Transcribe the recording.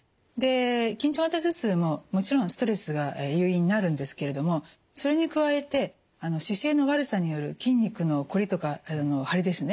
で緊張型頭痛ももちろんストレスが誘因になるんですけれどもそれに加えて姿勢の悪さによる筋肉のコリとかハリですね